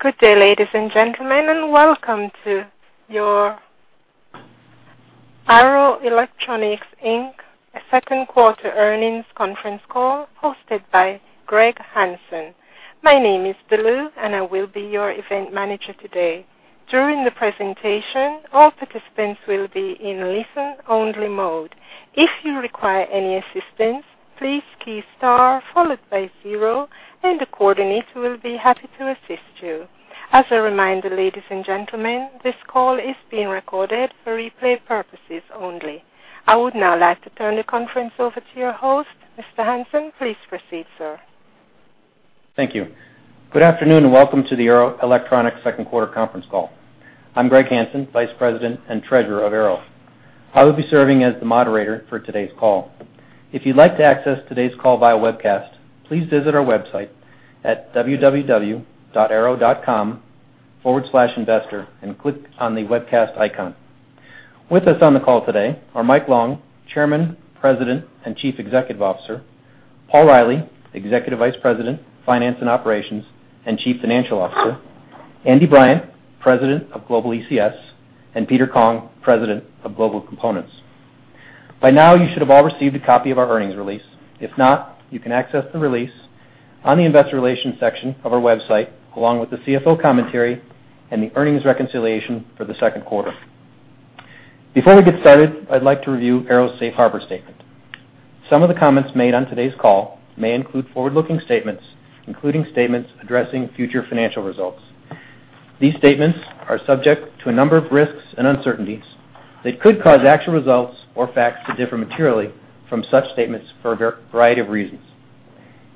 Good day, ladies and gentlemen, and welcome to Arrow Electronics, Inc.'s Q2 earnings Conference Call, hosted by Gregory Hanson. My name is Dai Lu and I will be your event manager today. During the presentation, all participants will be in listen-only mode. If you require any assistance, please key Star followed by zero, and a coordinator will be happy to assist you. As a reminder, ladies and gentlemen, this call is being recorded for replay purposes only. I would now like to turn the conference over to your host, Mr. Hanson. Please proceed, sir. Thank you. Good afternoon, and welcome to the Arrow Electronics Q2 Conference Call. I'm Gregory Hanson, Vice President and Treasurer of Arrow. I will be serving as the moderator for today's call. If you'd like to access today's call via webcast, please visit our website at www.arrow.com/investor and click on the Webcast icon. With us on the call today are Michael Long Chairman, President, and Chief Executive Officer, Paul Reilly, Executive Vice President, Finance and Operations, and Chief Financial Officer, Andrew Bryant, President of Global ECS, and Peter Kong, President of Global Components. By now, you should have all received a copy of our earnings release. If not, you can access the release on the Investor Relations section of our website, along with the CFO commentary and the earnings reconciliation for the Q2. Before we get started, I'd like to review Arrow's Safe Harbor statement. Some of the comments made on today's call may include forward-looking statements, including statements addressing future financial results. These statements are subject to a number of risks and uncertainties that could cause actual results or facts to differ materially from such statements for a variety of reasons.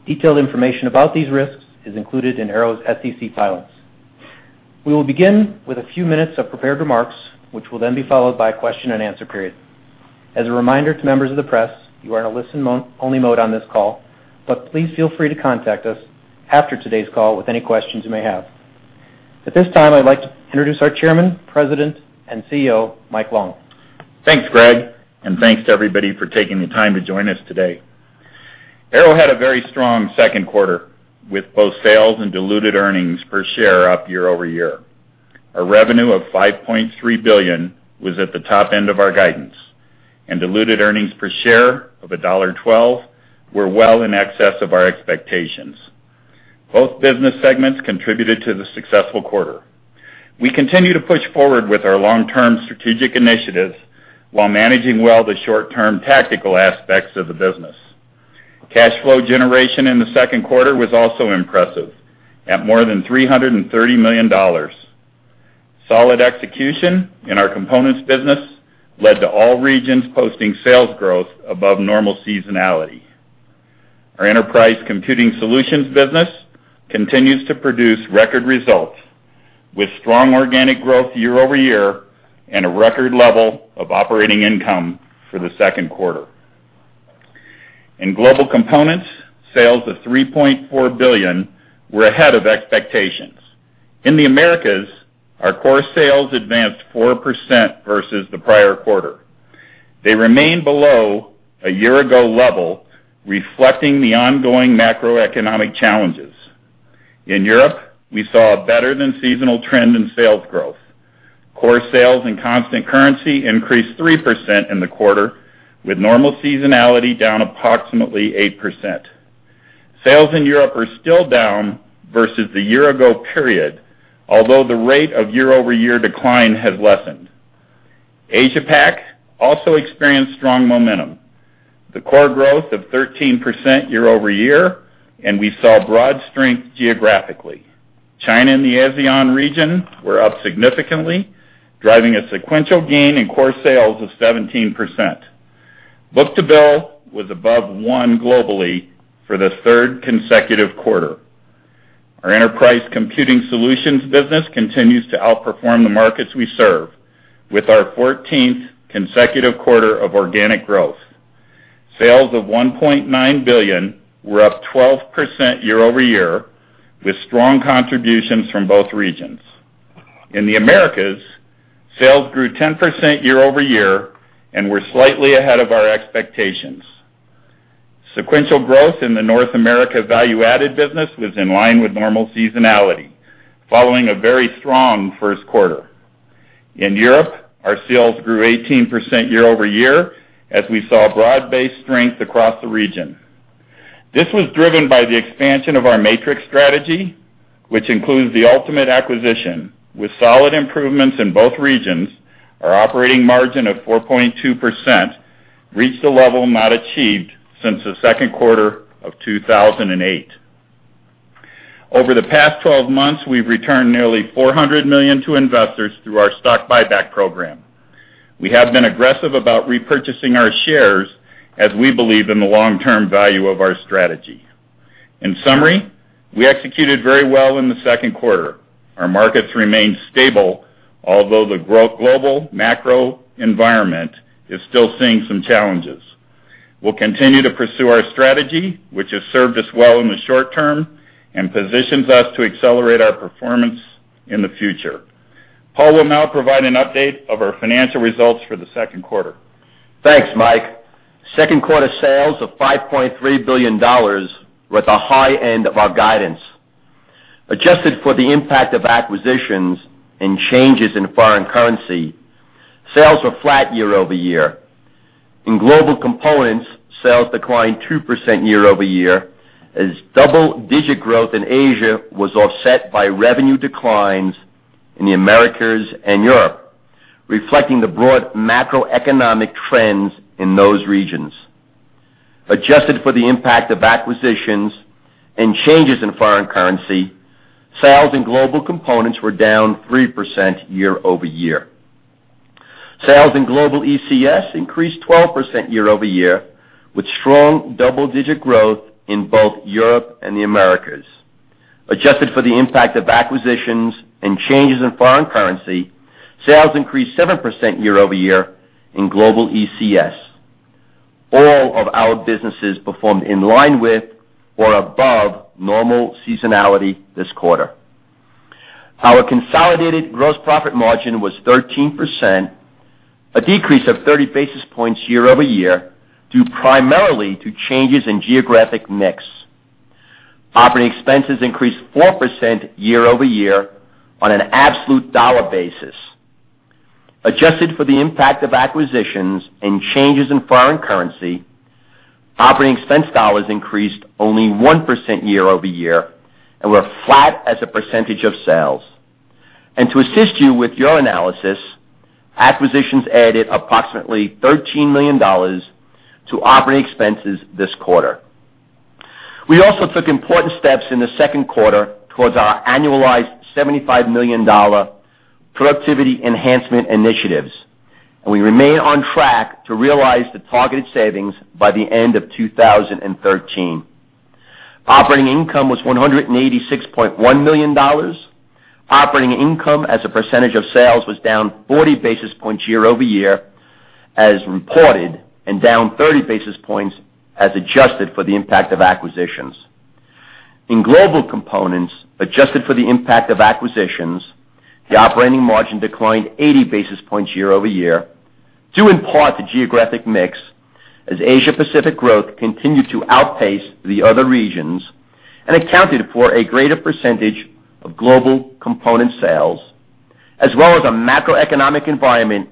Detailed information about these risks is included in Arrow's SEC filings. We will begin with a few minutes of prepared remarks, which will then be followed by a question-and-answer period. As a reminder to members of the press, you are in a listen-only mode on this call, but please feel free to contact us after today's call with any questions you may have. At this time, I'd like to introduce our Chairman, President, and CEO, Michael Long. Thanks, Greg, and thanks to everybody for taking the time to join us today. Arrow had a very strong Q2, with both sales and diluted earnings per share up year-over-year. Our revenue of $5.3 billion was at the top end of our guidance, and diluted earnings per share of $1.12 were well in excess of our expectations. Both business segments contributed to the successful quarter. We continue to push forward with our long-term strategic initiatives while managing well the short-term tactical aspects of the business. Cash flow generation in the Q2 was also impressive, at more than $330 million. Solid execution in our components business led to all regions posting sales growth above normal seasonality. Our enterprise computing solutions business continues to produce record results, with strong organic growth year-over-year and a record level of operating income for the Q2. In global components, sales of $3.4 billion were ahead of expectations. In the Americas, our core sales advanced 4% versus the prior quarter. They remained below a year-ago level, reflecting the ongoing macroeconomic challenges. In Europe, we saw a better-than-seasonal trend in sales growth. Core sales and constant currency increased 3% in the quarter, with normal seasonality down approximately 8%. Sales in Europe are still down versus the year-ago period, although the rate of year-over-year decline has lessened. Asia-Pacific also experienced strong momentum, the core growth of 13% year-over-year, and we saw broad strength geographically. China and the ASEAN region were up significantly, driving a sequential gain in core sales of 17%. Book-to-bill was above 1 globally for the 3rd consecutive quarter. Our enterprise computing solutions business continues to outperform the markets we serve, with our 14th consecutive quarter of organic growth. Sales of $1.9 billion were up 12% year-over-year, with strong contributions from both regions. In the Americas, sales grew 10% year-over-year and were slightly ahead of our expectations. Sequential growth in the North America value-added business was in line with normal seasonality, following a very strong Q1. In Europe, our sales grew 18% year-over-year, as we saw broad-based strength across the region. This was driven by the expansion of our Matrix strategy, which includes the Altimate acquisition. With solid improvements in both regions, our operating margin of 4.2% reached a level not achieved since the Q2 of 2008. Over the past 12 months, we've returned nearly $400 million to investors through our stock buyback program. We have been aggressive about repurchasing our shares as we believe in the long-term value of our strategy. In summary, we executed very well in the Q2. Our markets remained stable, although the global macro environment is still seeing some challenges. We'll continue to pursue our strategy, which has served us well in the short term and positions us to accelerate our performance in the future. Paul will now provide an update of our financial results for the Q2. Thanks, Michael. Q2 sales of $5.3 billion was the high end of our guidance. Adjusted for the impact of acquisitions and changes in foreign currency, sales were flat year-over-year. In Global Components, sales declined 2% year-over-year, as double-digit growth in Asia was offset by revenue declines in the Americas and Europe, reflecting the broad macroeconomic trends in those regions. Adjusted for the impact of acquisitions and changes in foreign currency, sales in Global Components were down 3% year-over-year. Sales in Global ECS increased 12% year-over-year, with strong double-digit growth in both Europe and the Americas. Adjusted for the impact of acquisitions and changes in foreign currency, sales increased 7% year-over-year in Global ECS. All of our businesses performed in line with or above normal seasonality this quarter. Our consolidated gross profit margin was 13%, a decrease of 30 basis points year-over-year, due primarily to changes in geographic mix. Operating expenses increased 4% year-over-year on an absolute dollar basis. Adjusted for the impact of acquisitions and changes in foreign currency, operating expense dollars increased only 1% year-over-year and were flat as a percentage of sales. And to assist you with your analysis, acquisitions added approximately $13 million to operating expenses this quarter. We also took important steps in the Q2 towards our annualized $75 million productivity enhancement initiatives, and we remain on track to realize the targeted savings by the end of 2013. Operating income was $186.1 million. Operating income as a percentage of sales was down 40 basis points year-over-year, as reported, and down 30 basis points as adjusted for the impact of acquisitions. In Global Components, adjusted for the impact of acquisitions, the operating margin declined 80 basis points year-over-year, due in part to geographic mix, as Asia-Pacific growth continued to outpace the other regions and accounted for a greater percentage of Global Components sales, as well as a macroeconomic environment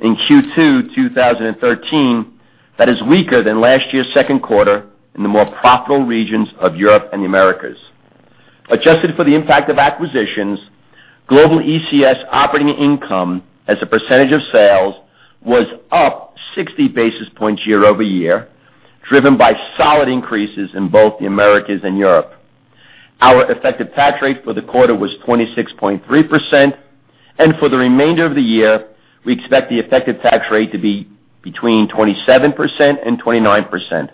in Q2 2013 that is weaker than last year's Q2 in the more profitable regions of Europe and the Americas. Adjusted for the impact of acquisitions, Global ECS operating income as a percentage of sales was up 60 basis points year-over-year, driven by solid increases in both the Americas and Europe. Our effective tax rate for the quarter was 26.3%, and for the remainder of the year, we expect the effective tax rate to be between 27% and 29%.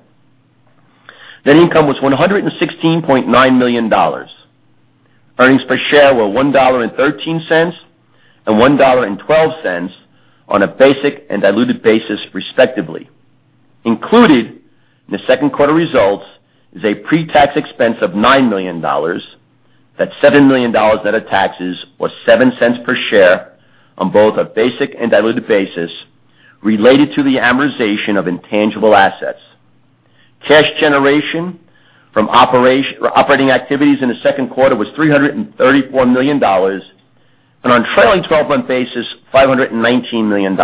Net income was $116.9 million. Earnings per share were $1.13, and $1.12 on a basic and diluted basis, respectively. Included in the Q2 results is a pre-tax expense of $9 million. That's $7 million net of taxes, or $0.07 per share on both a basic and diluted basis, related to the amortization of intangible assets. Cash generation from operating activities in the Q2 was $334 million, and on a trailing twelve-month basis, $519 million.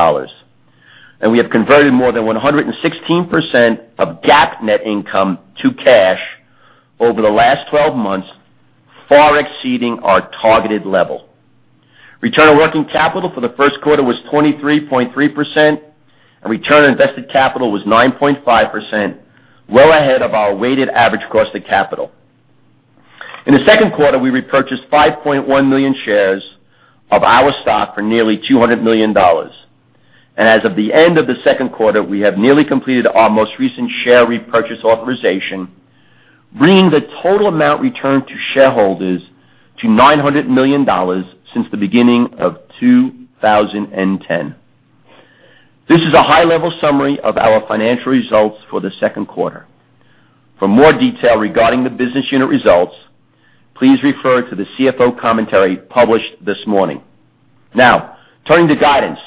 We have converted more than 116% of GAAP net income to cash over the last 12 months, far exceeding our targeted level. Return on working capital for the Q1 was 23.3%, and return on invested capital was 9.5%, well ahead of our weighted average cost of capital. In the Q2, we repurchased 5.1 million shares of our stock for nearly $200 million. As of the end of the Q2, we have nearly completed our most recent share repurchase authorization, bringing the total amount returned to shareholders to $900 million since the beginning of 2010. This is a high-level summary of our financial results for the Q2. For more detail regarding the business unit results, please refer to the CFO commentary published this morning. Now, turning to guidance.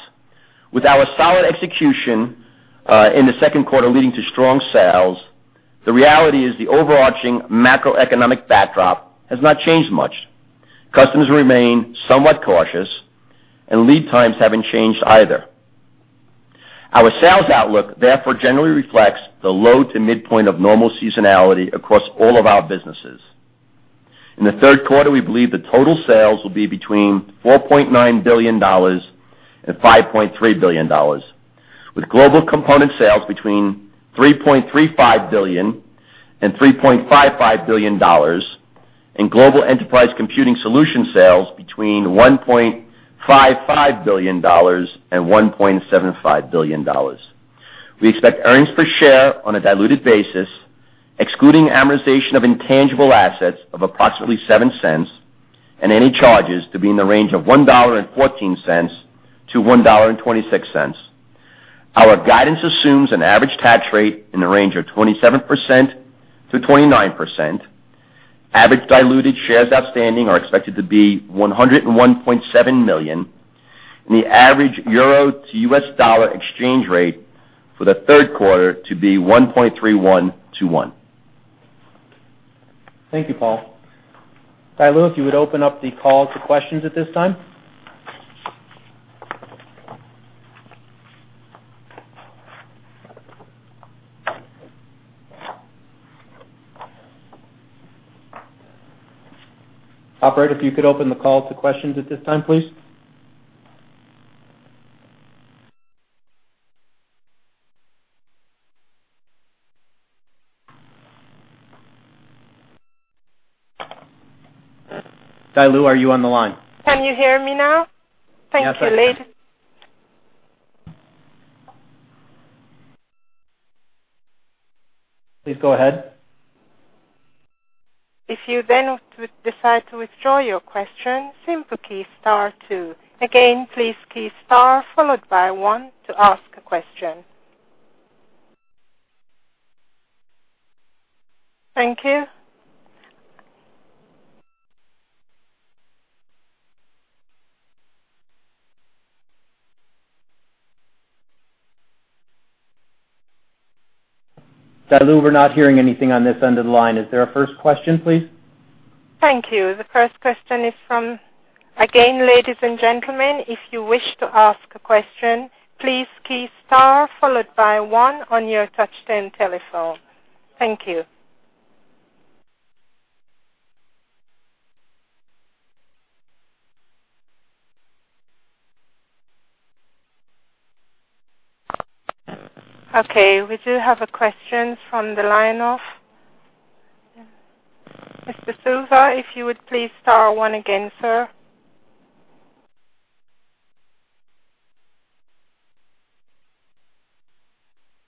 With our solid execution in the Q2 leading to strong sales, the reality is the overarching macroeconomic backdrop has not changed much. Customers remain somewhat cautious, and lead times haven't changed either. Our sales outlook therefore generally reflects the low to midpoint of normal seasonality across all of our businesses. In the Q3, we believe that total sales will be between $4.9 billion and $5.3 billion, with Global Components sales between $3.35 billion and $3.55 billion, and Global Enterprise Computing Solutions sales between $1.55 billion and $1.75 billion. We expect earnings per share on a diluted basis, excluding amortization of intangible assets of approximately $0.07 and any charges to be in the range of $1.14-$1.26. Our guidance assumes an average tax rate in the range of 27%-29%. Average diluted shares outstanding are expected to be 101.7 million, and the average euro to US dollar exchange rate for the Q3 to be 1.3121. Thank you, Paul. Dai Lu, if you would open up the call to questions at this time? Operator, if you could open the call to questions at this time, please. Dai Lu, are you on the line? Can you hear me now? Yes, I can. Thank you, ladies. Please go ahead. If you then decide to withdraw your question, simply key star two. Again, please key star, followed by one to ask a question. Thank you. Dai Lu, we're not hearing anything on this end of the line. Is there a first question, please? Thank you. The first question is from. Again, ladies and gentlemen, if you wish to ask a question, please key star, followed by one on your touchtone telephone. Thank you. Okay, we do have a question from the line of. Mr. Suva, if you would please star one again, sir.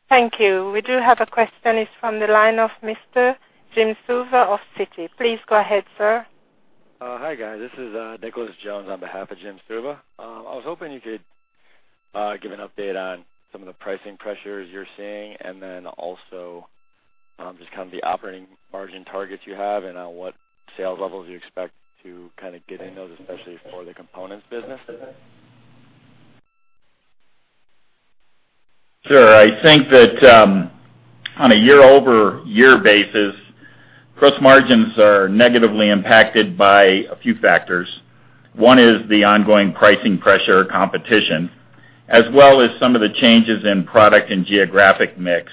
Thank you. We do have a question. It's from the line of Mr. Jim Suva of Citi. Please go ahead, sir. Hi, guys. This is Nicholas Jones on behalf of Jim Suva. I was hoping you could give an update on some of the pricing pressures you're seeing, and then also just kind of the operating margin targets you have and what sales levels you expect to kind of get in those, especially for the components business? Sure. I think that, on a year-over-year basis, gross margins are negatively impacted by a few factors. One is the ongoing pricing pressure competition, as well as some of the changes in product and geographic mix.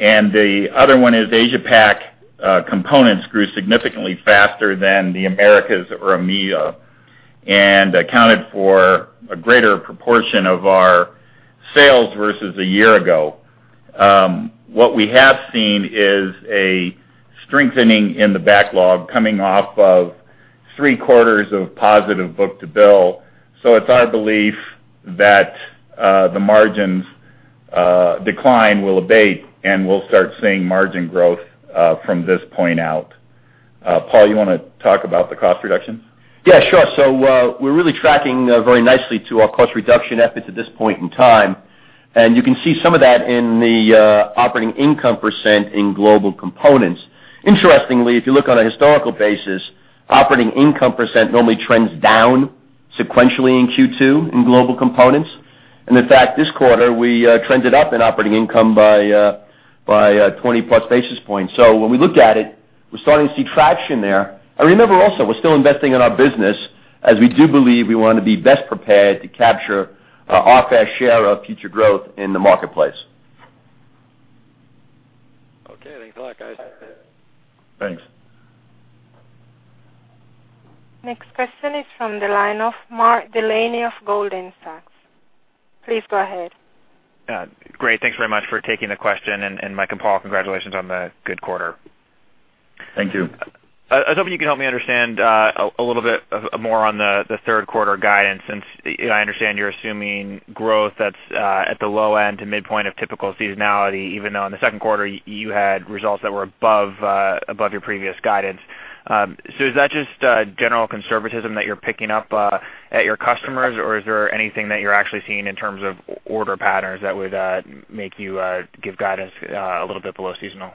And the other one is Asia-Pac, components grew significantly faster than the Americas or EMEA, and accounted for a greater proportion of our sales versus a year ago. What we have seen is a strengthening in the backlog coming off of three quarters of positive book-to-bill. So it's our belief that, the margins, decline will abate, and we'll start seeing margin growth, from this point out. Paul, you wanna talk about the cost reductions? Yeah, sure. So, we're really tracking very nicely to our cost reduction efforts at this point in time, and you can see some of that in the operating income % in Global Components. Interestingly, if you look on a historical basis, operating income % normally trends down sequentially in Q2 in Global Components. And in fact, this quarter, we trended up in operating income by 20-plus basis points. So when we looked at it, we're starting to see traction there. And remember also, we're still investing in our business, as we do believe we want to be best prepared to capture our fair share of future growth in the marketplace. Okay, thanks a lot, guys. Thanks. Next question is from the line of Mark Delaney of Goldman Sachs. Please go ahead. Great, thanks very much for taking the question, and Michael and Paul, congratulations on the good quarter. Thank you. I was hoping you could help me understand a little bit more on the Q3 guidance, since I understand you're assuming growth that's at the low end to midpoint of typical seasonality, even though in the Q2, you had results that were above your previous guidance. So, is that just general conservatism that you're picking up at your customers, or is there anything that you're actually seeing in terms of order patterns that would make you give guidance a little bit below seasonal?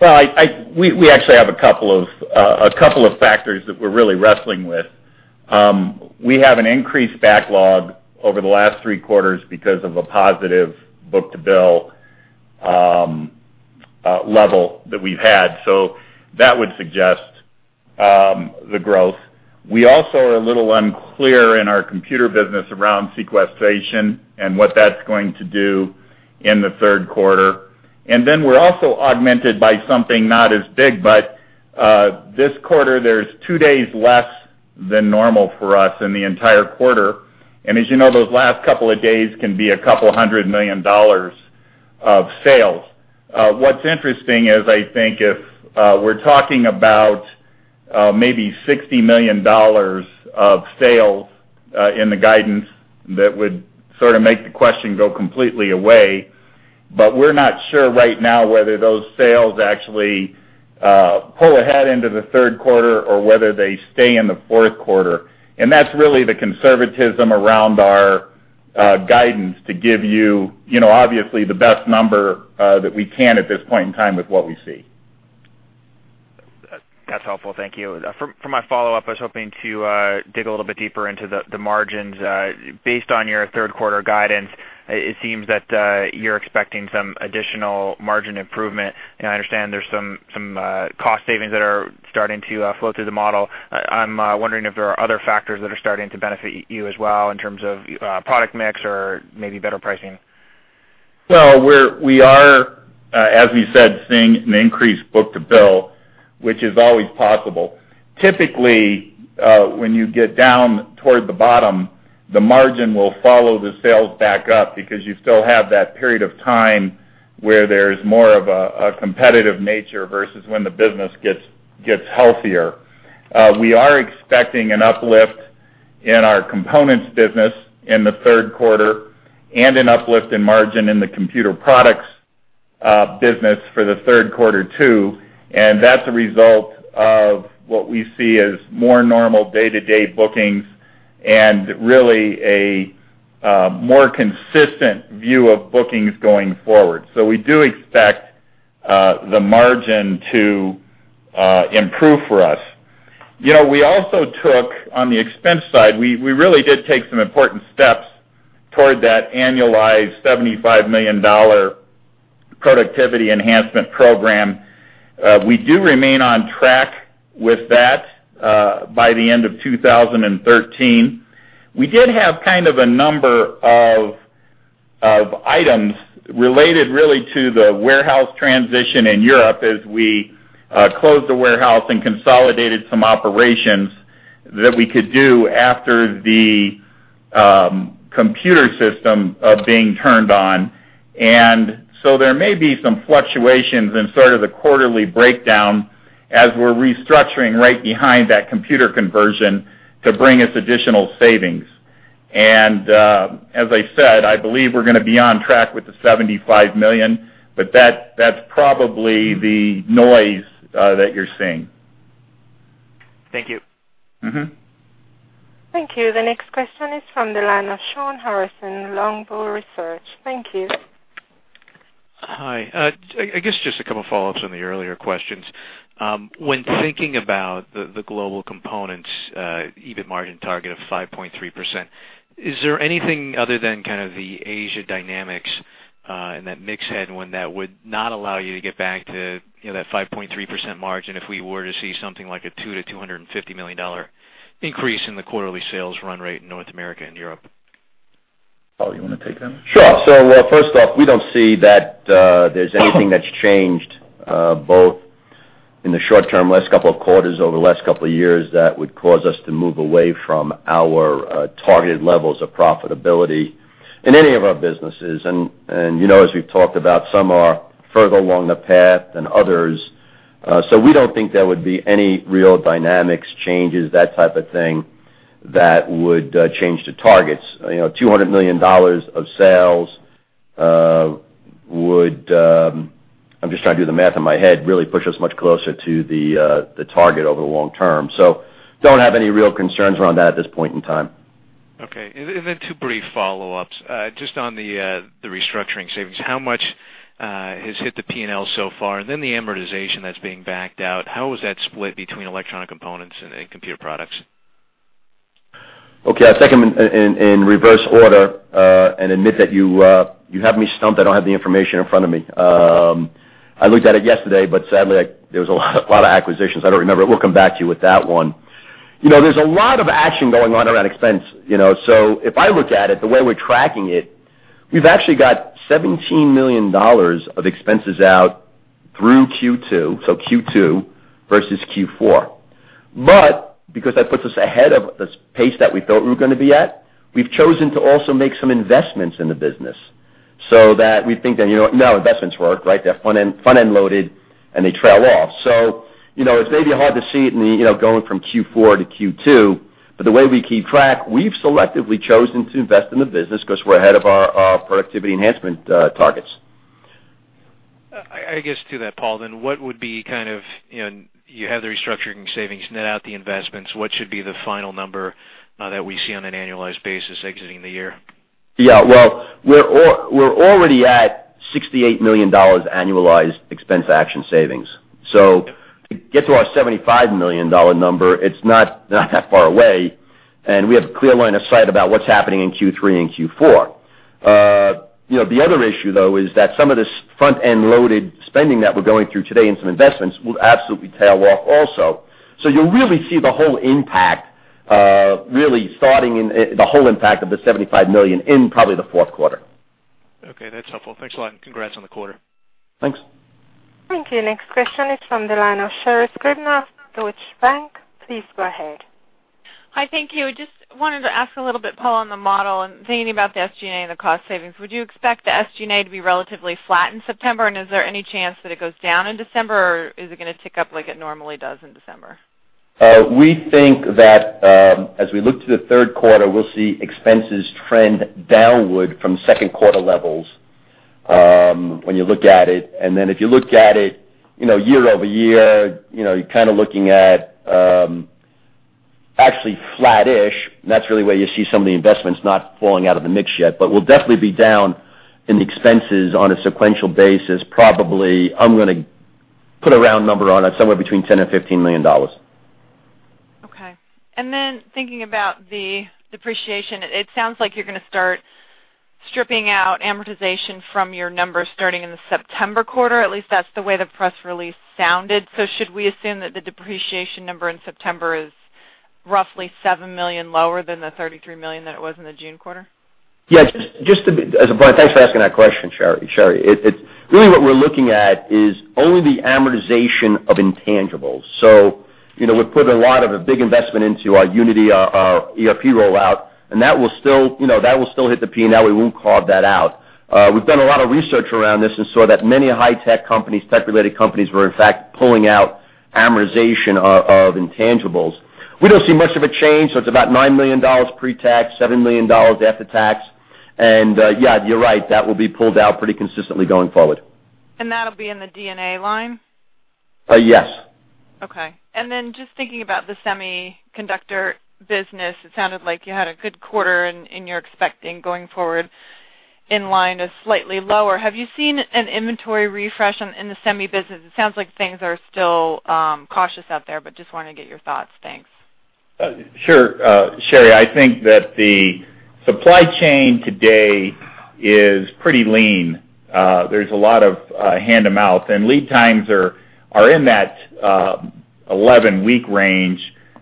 Well, we actually have a couple of factors that we're really wrestling with. We have an increased backlog over the last three quarters because of a positive book-to-bill level that we've had, so that would suggest the growth. We also are a little unclear in our computer business around sequestration and what that's going to do in the Q3. Then we're also augmented by something not as big, but this quarter, there's two days less than normal for us in the entire quarter. And as you know, those last couple of days can be a couple hundred million dollars of sales. What's interesting is, I think, if we're talking about maybe $60 million of sales in the guidance, that would sort of make the question go completely away. But we're not sure right now whether those sales actually pull ahead into the Q3 or whether they stay in the Q4. And that's really the conservatism around our guidance to give you, you know, obviously, the best number that we can at this point in time with what we see. That's helpful. Thank you. For my follow-up, I was hoping to dig a little bit deeper into the margins. Based on your Q3 guidance, it seems that you're expecting some additional margin improvement, and I understand there's some cost savings that are starting to flow through the model. I'm wondering if there are other factors that are starting to benefit you as well in terms of product mix or maybe better pricing. Well, we are, as we said, seeing an increased book-to-bill, which is always possible. Typically, when you get down toward the bottom, the margin will follow the sales back up because you still have that period of time where there's more of a competitive nature versus when the business gets healthier. We are expecting an uplift in our components business in the Q3 and an uplift in margin in the computer products business for the Q3, too. And that's a result of what we see as more normal day-to-day bookings and really more consistent view of bookings going forward. So we do expect the margin to improve for us. You know, we also took, on the expense side, we really did take some important steps toward that annualized $75 million productivity enhancement program. We do remain on track with that by the end of 2013. We did have kind of a number of items related really to the warehouse transition in Europe as we closed the warehouse and consolidated some operations that we could do after the computer system being turned on. And so there may be some fluctuations in sort of the quarterly breakdown as we're restructuring right behind that computer conversion to bring us additional savings. And as I said, I believe we're gonna be on track with the $75 million, but that's probably the noise that you're seeing. Thank you. Mm-hmm. Thank you. The next question is from the line of Shawn Harrison, Longbow Research. Thank you. Hi. I guess just a couple follow-ups on the earlier questions. When thinking about the global components EBIT margin target of 5.3%, is there anything other than kind of the Asia dynamics and that mix headwind that would not allow you to get back to, you know, that 5.3% margin if we were to see something like a $2 million-$250 million increase in the quarterly sales run rate in North America and Europe? Paul, you wanna take that? Sure. So, first off, we don't see that there's anything that's changed, both in the short term, last couple of quarters, over the last couple of years, that would cause us to move away from our targeted levels of profitability in any of our businesses. And you know, as we've talked about, some are further along the path than others. So we don't think there would be any real dynamics changes, that type of thing, that would change the targets. You know, $200 million of sales would, I'm just trying to do the math in my head, really push us much closer to the target over the long term. So don't have any real concerns around that at this point in time. Okay. And then two brief follow-ups. Just on the restructuring savings, how much has hit the P&L so far? And then the amortization that's being backed out, how was that split between electronic components and computer products? Okay, I'll take them in reverse order and admit that you have me stumped. I don't have the information in front of me. I looked at it yesterday, but sadly, there was a lot of acquisitions. I don't remember. We'll come back to you with that one. You know, there's a lot of action going on around expense, you know? So if I look at it, the way we're tracking it, we've actually got $17 million of expenses out through Q2, so Q2 versus Q4. But because that puts us ahead of the pace that we thought we were gonna be at, we've chosen to also make some investments in the business so that we think that, you know, you know how investments work, right? They're front-end loaded, and they trail off. So, you know, it's maybe hard to see it in the, you know, going from Q4 to Q2, but the way we keep track, we've selectively chosen to invest in the business because we're ahead of our, our productivity enhancement targets. I guess to that, Paul, then what would be kind of, you know, you have the restructuring savings, net out the investments, what should be the final number that we see on an annualized basis exiting the year? Yeah, well, we're already at $68 million annualized expense action savings. So to get to our $75 million number, it's not, not that far away, and we have a clear line of sight about what's happening in Q3 and Q4. You know, the other issue, though, is that some of this front-end loaded spending that we're going through today in some investments will absolutely tail off also. So you'll really see the whole impact, really starting in the whole impact of the $75 million in probably the Q4. Okay, that's helpful. Thanks a lot, and congrats on the quarter. Thanks. Thank you. Next question is from the line of Sherri Scribner, Deutsche Bank. Please go ahead. Hi, thank you. Just wanted to ask a little bit, Paul, on the model and thinking about the SG&A and the cost savings. Would you expect the SG&A to be relatively flat in September, and is there any chance that it goes down in December, or is it gonna tick up like it normally does in December? We think that, as we look to the Q3, we'll see expenses trend downward from Q2 levels, when you look at it. And then if you look at it, you know, year-over-year, you know, you're kind of looking at, actually flattish, and that's really where you see some of the investments not falling out of the mix yet. But we'll definitely be down in the expenses on a sequential basis, probably, I'm gonna put a round number on it, somewhere between $10 million and $15 million. Okay. And then thinking about the depreciation, it sounds like you're gonna start stripping out amortization from your numbers starting in the September quarter, at least that's the way the press release sounded. So should we assume that the depreciation number in September is roughly $7 million lower than the $33 million that it was in the June quarter? Yeah, just to be as a point, thanks for asking that question, Sherri. It really what we're looking at is only the amortization of intangibles. So, you know, we've put a lot of a big investment into our Unity, our ERP rollout, and that will still, you know, that will still hit the P&L. We won't carve that out. We've done a lot of research around this and saw that many high-tech companies, tech-related companies, were in fact pulling out amortization of intangibles. We don't see much of a change, so it's about $9 million pre-tax, $7 million after tax. And yeah, you're right, that will be pulled out pretty consistently going forward. That'll be in the D&A line? Uh, yes. Okay. And then just thinking about the semiconductor business, it sounded like you had a good quarter, and you're expecting going forward in line or slightly lower. Have you seen an inventory refresh in the semi business? It sounds like things are still cautious out there, but just want to get your thoughts. Thanks. Sure, Sherri. I think that the supply chain today is pretty lean. There's a lot of hand-to-mouth, and lead times are in that 11-week range,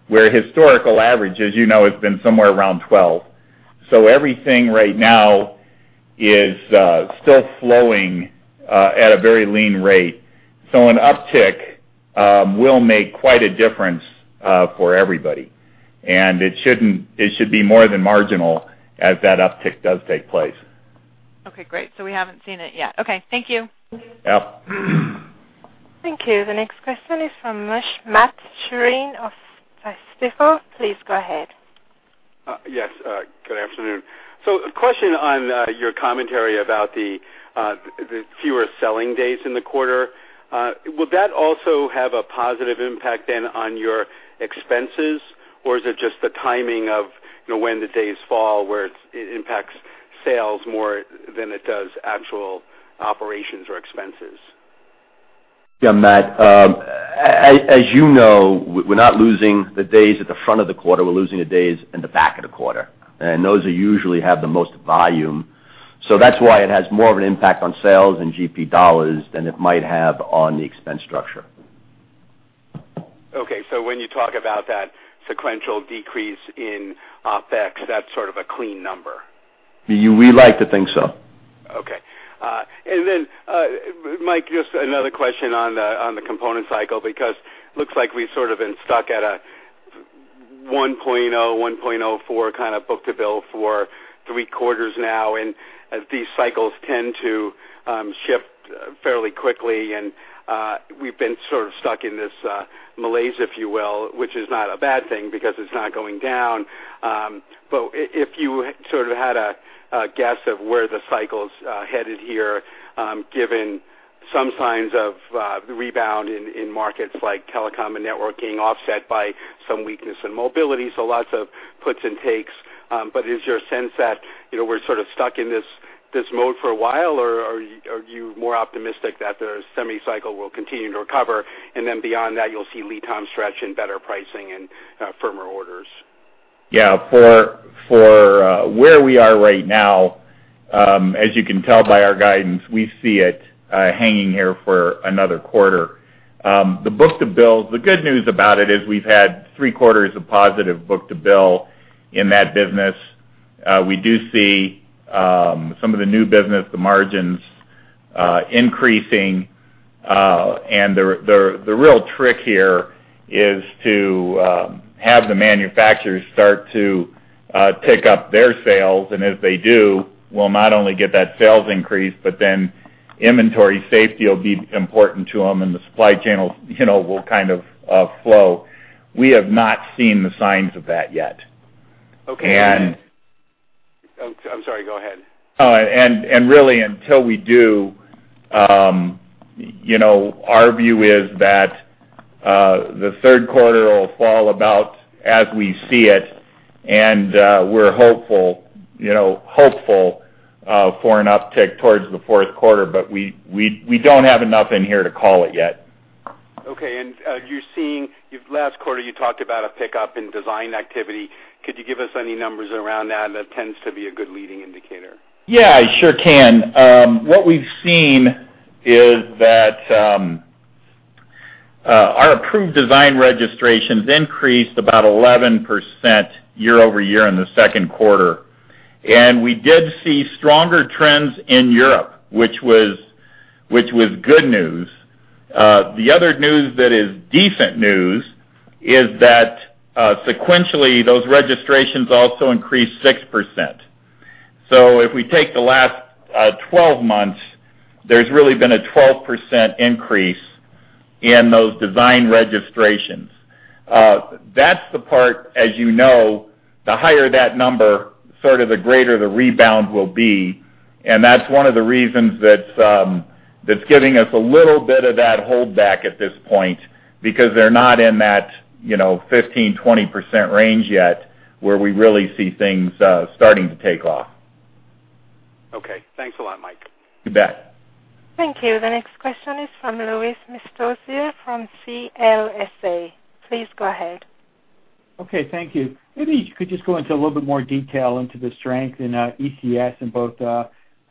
where historical average, as you know, has been somewhere around 12. So everything right now is still flowing at a very lean rate. So an uptick will make quite a difference for everybody, and it shouldn't - it should be more than marginal as that uptick does take place. Okay, great. We haven't seen it yet. Okay, thank you. Yep. Thank you. The next question is from Matthew Sheerin of Stifel. Please go ahead. Yes, good afternoon. So a question on your commentary about the fewer selling days in the quarter. Would that also have a positive impact then on your expenses, or is it just the timing of, you know, when the days fall, where it's, it impacts sales more than it does actual operations or expenses? Yeah, Matt, as you know, we're not losing the days at the front of the quarter, we're losing the days in the back of the quarter, and those usually have the most volume. So that's why it has more of an impact on sales and GP dollars than it might have on the expense structure. Okay, so when you talk about that sequential decrease in OpEx, that's sort of a clean number? We like to think so. Okay. And then, Michael, just another question on the component cycle, because it looks like we've sort of been stuck at a 1.0, 1.04 kind of book-to-bill for three quarters now. And as these cycles tend to shift fairly quickly, and we've been sort of stuck in this malaise, if you will, which is not a bad thing because it's not going down. But if you sort of had a guess of where the cycle's headed here, given some signs of the rebound in markets like telecom and networking, offset by some weakness in mobility, so lots of puts and takes. But is your sense that, you know, we're sort of stuck in this mode for a while, or are you more optimistic that the semi cycle will continue to recover, and then beyond that, you'll see lead time stretch and better pricing and firmer orders? Yeah. For where we are right now, as you can tell by our guidance, we see it hanging here for another quarter. The book-to-bill, the good news about it is we've had three quarters of positive book-to-bill in that business. We do see some of the new business, the margins increasing, and the real trick here is to have the manufacturers start to pick up their sales, and as they do, we'll not only get that sales increase, but then inventory safety will be important to them, and the supply channel, you know, will kind of flow. We have not seen the signs of that yet. Okay. And- I'm sorry. Go ahead. Oh, and really until we do, you know, our view is that the Q3 will fall about as we see it, and we're hopeful, you know, hopeful, for an uptick towards the Q4, but we don't have enough in here to call it yet. Okay. And, you're seeing last quarter, you talked about a pickup in design activity. Could you give us any numbers around that? That tends to be a good leading indicator. Yeah, I sure can. What we've seen is that our approved design registrations increased about 11% year-over-year in the Q2, and we did see stronger trends in Europe, which was good news. The other news that is decent news is that sequentially, those registrations also increased 6%. So if we take the last 12 months, there's really been a 12% increase in those design registrations. That's the part, as you know, the higher that number, sort of the greater the rebound will be, and that's one of the reasons that that's giving us a little bit of that holdback at this point, because they're not in that, you know, 15%-20% range yet, where we really see things starting to take off. Okay. Thanks a lot, Michael. You bet. Thank you. The next question is from Louis Miscioscia from CLSA. Please go ahead. Okay, thank you. Maybe you could just go into a little bit more detail into the strength in ECS in both,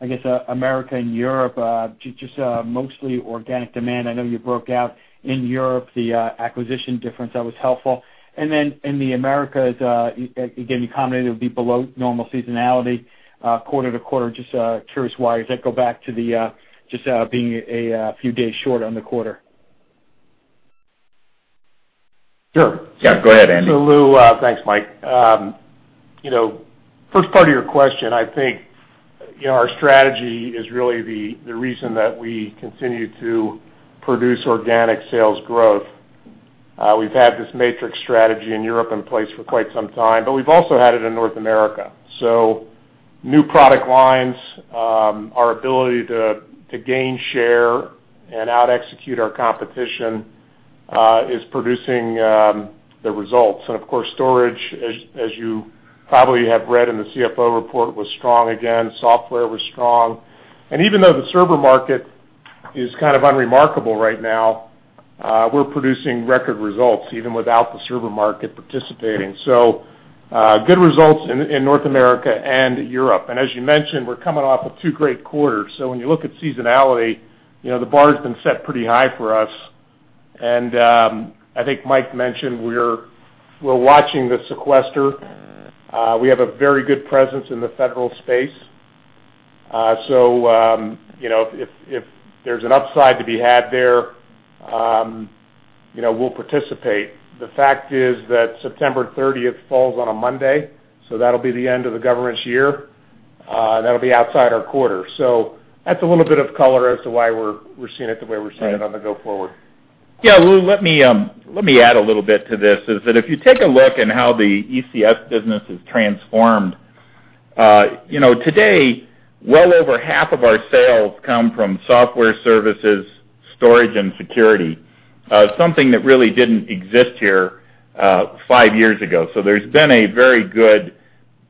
I guess, America and Europe, just mostly organic demand. I know you broke out in Europe, the acquisition difference, that was helpful. And then in the Americas, again, you commented it would be below normal seasonality, quarter to quarter. Just curious, why? Does that go back to the just being a few days short on the quarter? Sure. Yeah, go ahead, Andrew. So Lou, thanks, Michael. You know, first part of your question, I think, you know, our strategy is really the reason that we continue to produce organic sales growth. We've had this Matrix strategy in Europe in place for quite some time, but we've also had it in North America. So new product lines, our ability to gain share and out execute our competition, is producing the results. And of course, storage, as you probably have read in the CFO report, was strong again. Software was strong. And even though the server market is kind of unremarkable right now, we're producing record results, even without the server market participating. So, good results in North America and Europe. And as you mentioned, we're coming off of two great quarters. So when you look at seasonality, you know, the bar has been set pretty high for us. And, I think Michael mentioned, we're watching the sequester. We have a very good presence in the federal space. So, you know, if there's an upside to be had there, you know, we'll participate. The fact is that September thirtieth falls on a Monday, so that'll be the end of the government's year, that'll be outside our quarter. So that's a little bit of color as to why we're seeing it the way we're seeing it on the go forward. Yeah, Lou, let me let me add a little bit to this, is that if you take a look at how the ECS business is transformed, you know, today, well over half of our sales come from software services, storage, and security. Something that really didn't exist here, five years ago. So there's been a very good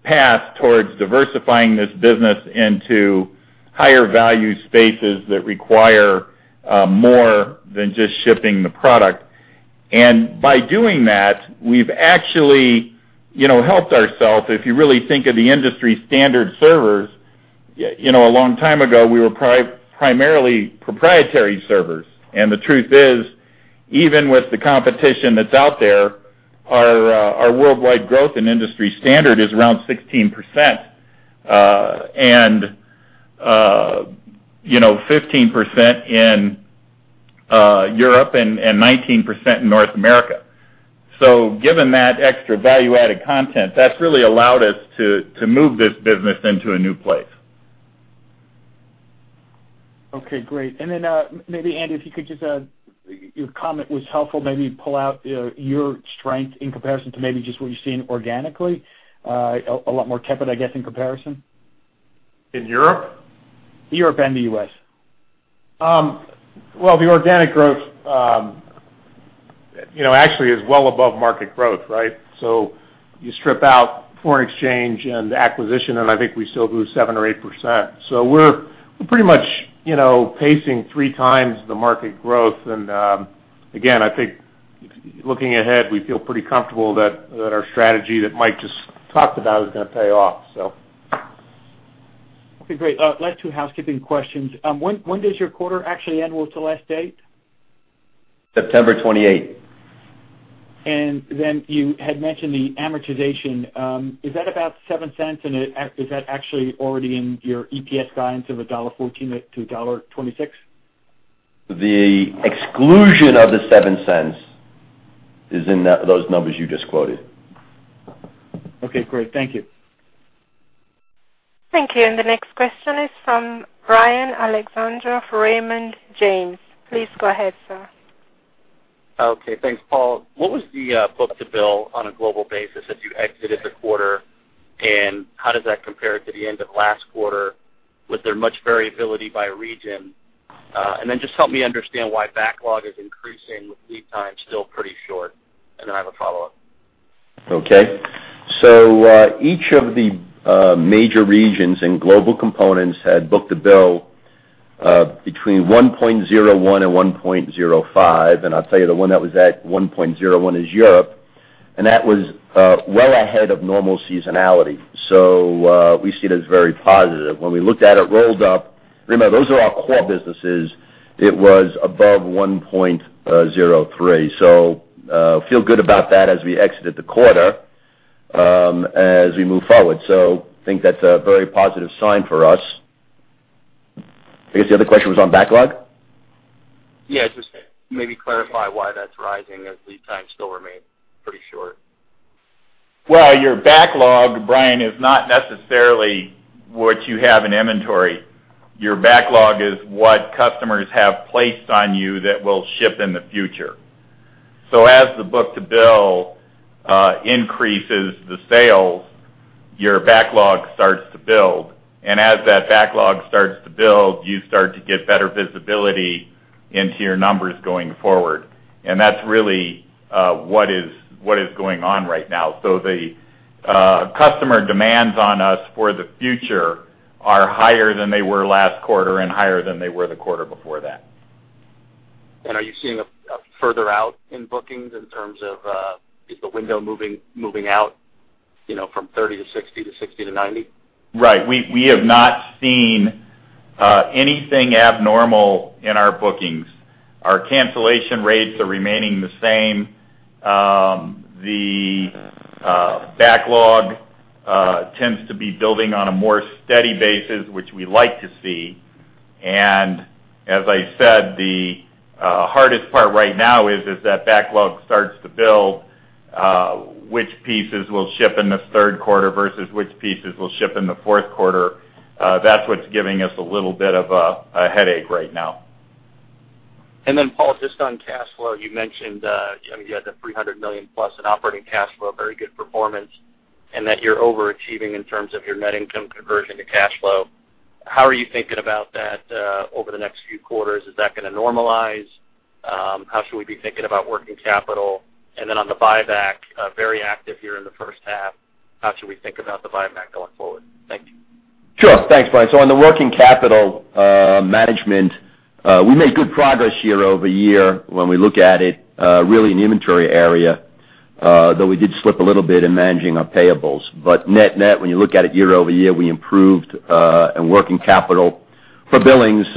path towards diversifying this business into higher value spaces that require more than just shipping the product. And by doing that, we've actually, you know, helped ourselves. If you really think of the industry standard servers, you know, a long time ago, we were primarily proprietary servers. And the truth is, even with the competition that's out there, our our worldwide growth in industry standard is around 16%, and, you know, 15% in Europe and 19% in North America. Given that extra value-added content, that's really allowed us to move this business into a new place. Okay, great. And then, maybe, Andrew, if you could just, your comment was helpful, maybe pull out, your strength in comparison to maybe just what you're seeing organically, a lot more tepid, I guess, in comparison. In Europe? Europe and the U.S. Well, the organic growth, you know, actually is well above market growth, right? So you strip out foreign exchange and acquisition, and I think we still lose 7 or 8%. So we're pretty much, you know, pacing three times the market growth. And, again, I think looking ahead, we feel pretty comfortable that, that our strategy that Michael just talked about is gonna pay off, so. Okay, great. Last two housekeeping questions. When does your quarter actually end? What's the last date? September twenty-eight. And then you had mentioned the amortization. Is that about $0.07, and is that actually already in your EPS guidance of $1.14-$1.26? The exclusion of the $0.07 is in that... those numbers you just quoted. Okay, great. Thank you. Thank you. And the next question is from Brian Alexander, Raymond James. Please go ahead, sir. Okay, thanks, Paul. What was the book-to-bill on a global basis as you exited the quarter? And how does that compare to the end of last quarter? Was there much variability by region? And then just help me understand why backlog is increasing, with lead time still pretty short, and then I have a follow-up. Okay. So, each of the major regions and Global Components had a book-to-bill between 1.01 and 1.05, and I'll tell you, the one that was at 1.01 is Europe, and that was well ahead of normal seasonality. So, we see it as very positive. When we looked at it, rolled up, remember, those are our core businesses, it was above 1.03. So, feel good about that as we exited the quarter, as we move forward. So I think that's a very positive sign for us.... I guess the other question was on backlog? Yeah, just maybe clarify why that's rising as lead times still remain pretty short. Well, your backlog, Brian, is not necessarily what you have in inventory. Your backlog is what customers have placed on you that will ship in the future. So as the book-to-bill increases the sales, your backlog starts to build. And as that backlog starts to build, you start to get better visibility into your numbers going forward. And that's really what is going on right now. So the customer demands on us for the future are higher than they were last quarter and higher than they were the quarter before that. Are you seeing a further out in bookings in terms of, is the window moving out, you know, from 30 to 60, to 60 to 90? Right. We have not seen anything abnormal in our bookings. Our cancellation rates are remaining the same. The backlog tends to be building on a more steady basis, which we like to see. And as I said, the hardest part right now is, as that backlog starts to build, which pieces will ship in the Q3 versus which pieces will ship in the Q4? That's what's giving us a little bit of a headache right now. Paul, just on cash flow, you mentioned, you know, you had $300 million plus in operating cash flow, very good performance, and that you're overachieving in terms of your net income conversion to cash flow. How are you thinking about that over the next few quarters? Is that gonna normalize? How should we be thinking about working capital? And then on the buyback, very active here in the first half, how should we think about the buyback going forward? Thank you. Sure. Thanks, Brian. So on the working capital management, we made good progress year-over-year when we look at it, really in the inventory area, though we did slip a little bit in managing our payables. But net-net, when you look at it year-over-year, we improved, and working capital for billings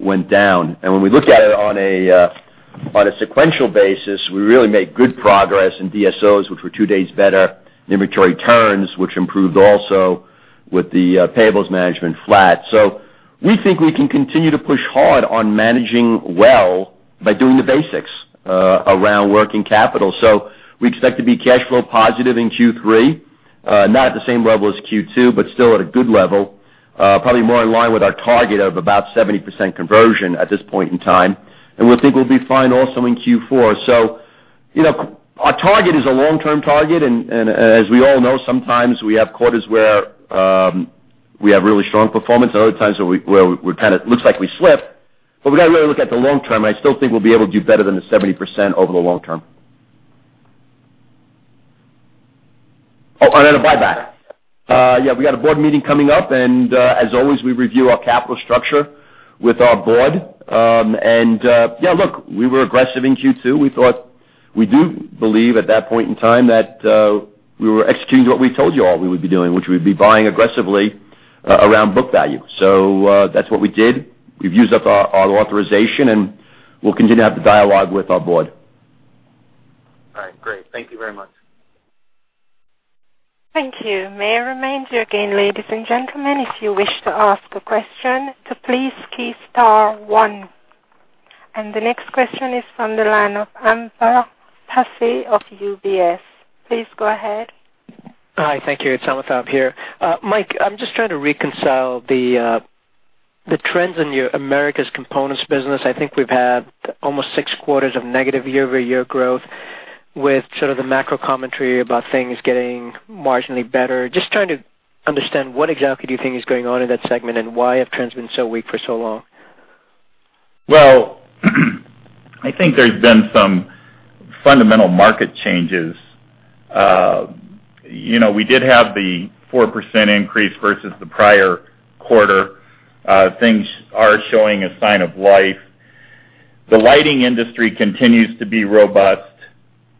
went down. And when we look at it on a on a sequential basis, we really made good progress in DSOs, which were 2 days better, inventory turns, which improved also with the payables management flat. So we think we can continue to push hard on managing well by doing the basics around working capital. So we expect to be cash flow positive in Q3, not at the same level as Q2, but still at a good level. Probably more in line with our target of about 70% conversion at this point in time. We think we'll be fine also in Q4. So, you know, our target is a long-term target, and as we all know, sometimes we have quarters where we have really strong performance and other times where we kind of looks like we slip, but we gotta really look at the long term, and I still think we'll be able to do better than the 70% over the long term. Oh, and the buyback. Yeah, we got a board meeting coming up, and as always, we review our capital structure with our board. Yeah, look, we were aggressive in Q2. We thought we do believe at that point in time that we were executing what we told you all we would be doing, which would be buying aggressively around book value. So that's what we did. We've used up our authorization, and we'll continue to have the dialogue with our board. All right, great. Thank you very much. Thank you. May I remind you again, ladies and gentlemen, if you wish to ask a question, to please key star one. The next question is from the line of Amitabh Passi of UBS. Please go ahead. Hi, thank you. It's Amitabh here. Michael, I'm just trying to reconcile the, the trends in your Americas components business. I think we've had almost six quarters of negative year-over-year growth with sort of the macro commentary about things getting marginally better. Just trying to understand what exactly do you think is going on in that segment, and why have trends been so weak for so long? Well, I think there's been some fundamental market changes. You know, we did have the 4% increase versus the prior quarter. Things are showing a sign of life. The lighting industry continues to be robust,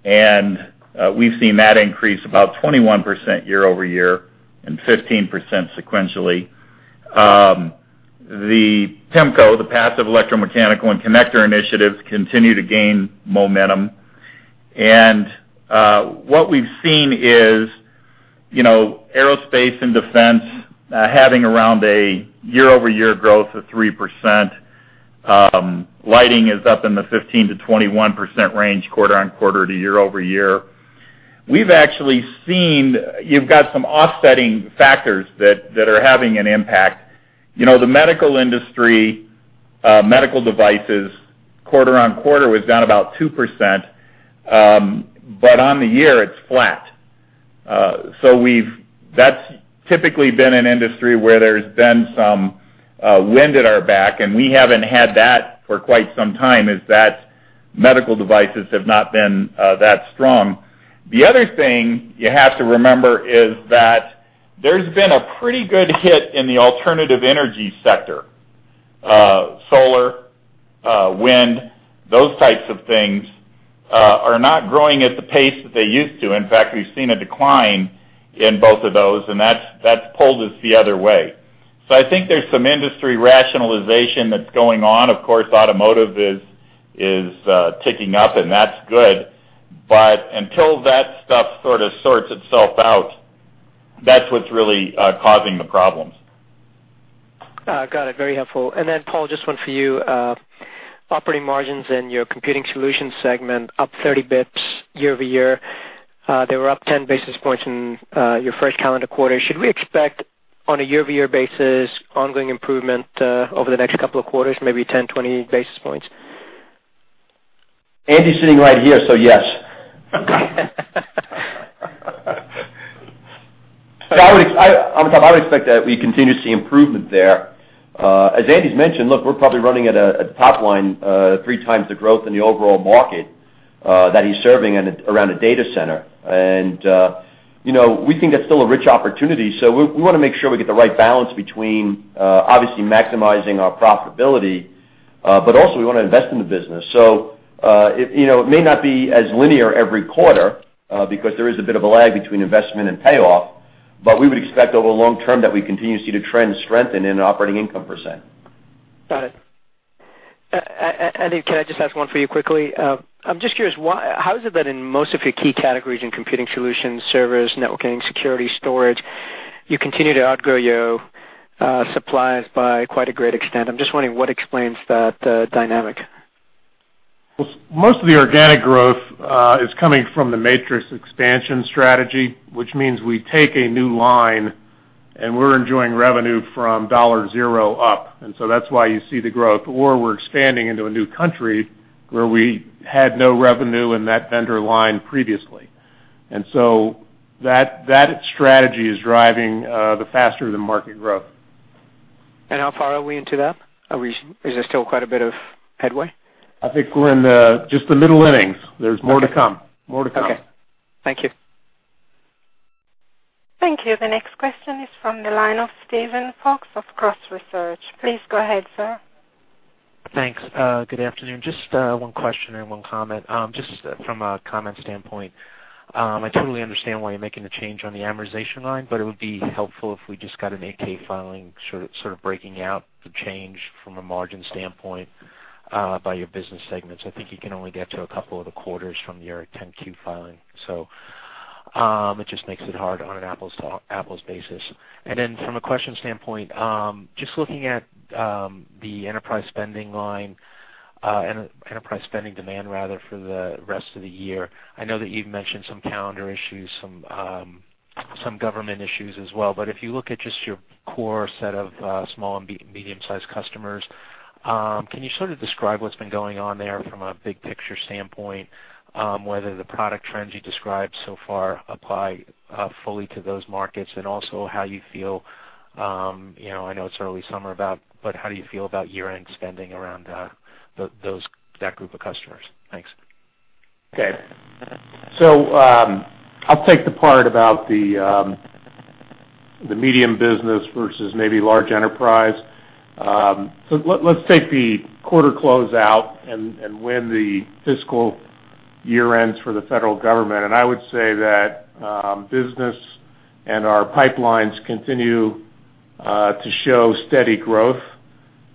and we've seen that increase about 21% year-over-year and 15% sequentially. The PEMCO, the passive electromechanical and connector initiatives continue to gain momentum. And what we've seen is, you know, aerospace and defense having around a year-over-year growth of 3%. Lighting is up in the 15%-21% range, quarter-over-quarter to year-over-year. We've actually seen... You've got some offsetting factors that are having an impact. You know, the medical industry, medical devices, quarter-over-quarter, was down about 2%, but on the year, it's flat. So that's typically been an industry where there's been some wind at our back, and we haven't had that for quite some time, is that medical devices have not been that strong. The other thing you have to remember is that there's been a pretty good hit in the alternative energy sector. Solar, wind, those types of things, are not growing at the pace that they used to. In fact, we've seen a decline in both of those, and that's pulled us the other way. So I think there's some industry rationalization that's going on. Of course, automotive is ticking up, and that's good. But until that stuff sort of sorts itself out that's what's really causing the problems. Got it. Very helpful. And then, Paul, just one for you. Operating margins in your computing solutions segment up 30 basis points year-over-year. They were up 10 basis points in your first calendar quarter. Should we expect, on a year-over-year basis, ongoing improvement over the next couple of quarters, maybe 10, 20 basis points? Andrew's sitting right here, so yes. So I would expect that we continue to see improvement there. As Andrew's mentioned, look, we're probably running at a top line three times the growth in the overall market that he's serving in, around the data center. And, you know, we think that's still a rich opportunity, so we wanna make sure we get the right balance between, obviously maximizing our profitability, but also we wanna invest in the business. So, it, you know, it may not be as linear every quarter, because there is a bit of a lag between investment and payoff, but we would expect over the long term that we continue to see the trend strengthen in an operating income percent. Got it. And, Andrew, can I just ask one for you quickly? I'm just curious, why, how is it that in most of your key categories in computing solutions, servers, networking, security, storage, you continue to outgrow your suppliers by quite a great extent? I'm just wondering, what explains that dynamic? Most of the organic growth is coming from the matrix expansion strategy, which means we take a new line, and we're enjoying revenue from dollar zero up, and so that's why you see the growth, or we're expanding into a new country where we had no revenue in that vendor line previously. And so that strategy is driving the faster than market growth. How far are we into that? Is there still quite a bit of headway? I think we're in just the middle innings. There's more to come. More to come. Okay. Thank you. Thank you. The next question is from the line of Steven Fox of Cross Research. Please go ahead, sir. Thanks. Good afternoon. Just one question and one comment. Just from a comment standpoint, I totally understand why you're making the change on the amortization line, but it would be helpful if we just got an 8-K filing, sort of breaking out the change from a margin standpoint, by your business segments. I think you can only get to a couple of the quarters from your 10-Q filing. So, it just makes it hard on an apples to apples basis. And then from a question standpoint, just looking at the enterprise spending line, and enterprise spending demand, rather, for the rest of the year. I know that you've mentioned some calendar issues, some, some government issues as well, but if you look at just your core set of, small and medium-sized customers, can you sort of describe what's been going on there from a big picture standpoint, whether the product trends you described so far apply, fully to those markets? And also how you feel, you know, I know it's early summer about, but how do you feel about year-end spending around, those, that group of customers? Thanks. Okay. So, I'll take the part about the medium business versus maybe large enterprise. So let's take the quarter closeout and when the fiscal year ends for the federal government. And I would say that business and our pipelines continue to show steady growth,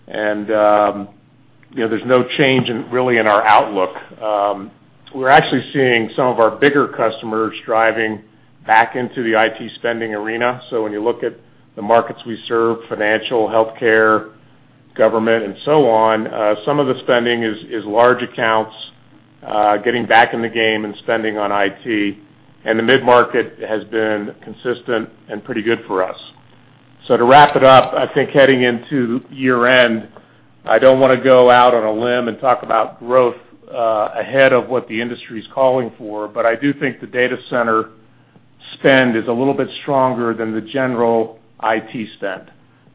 and you know, there's no change, really, in our outlook. We're actually seeing some of our bigger customers driving back into the IT spending arena. So when you look at the markets we serve, financial, healthcare, government, and so on, some of the spending is large accounts getting back in the game and spending on IT, and the mid-market has been consistent and pretty good for us. So to wrap it up, I think heading into year-end, I don't wanna go out on a limb and talk about growth ahead of what the industry's calling for, but I do think the data center spend is a little bit stronger than the general IT spend.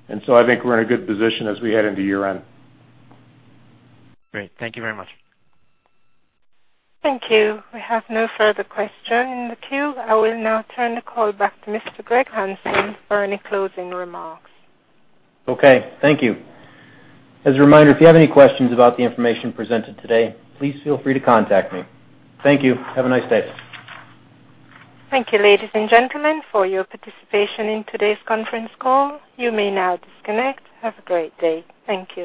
And so I think we're in a good position as we head into year-end. Great. Thank you very much. Thank you. We have no further questions in the queue. I will now turn the call back to Mr. Gregory Hanson for any closing remarks. Okay. Thank you. As a reminder, if you have any questions about the information presented today, please feel free to contact me. Thank you. Have a nice day. Thank you, ladies and gentlemen, for your participation in today's Conference Call. You may now disconnect. Have a great day. Thank you.